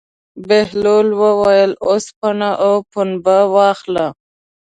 بهلول وویل: اوسپنه او پنبه واخله.